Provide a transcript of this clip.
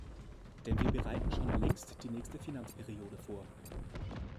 Denn wir bereiten schon längst die nächste Finanzperiode vor.